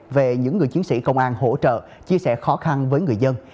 về những người chiến sĩ công an hỗ trợ chia sẻ khó khăn với người dân